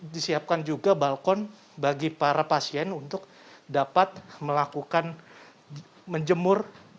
disiapkan juga balkon bagi para pasien untuk dapat melakukan menjemur